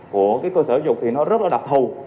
của cái cơ sở dục thì nó rất là đặc thù